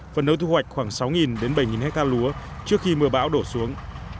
phần nấu thu hoạch khoảng sáu bảy ha lúa trước khi mưa bão đổ xuống